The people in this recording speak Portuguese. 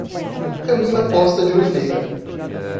Camila Costa de Oliveira